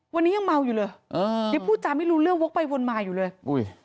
วันนี้ยังเมาอยู่เลยเออยังพูดจาไม่รู้เรื่องวกไปวนมาอยู่เลยอุ้ย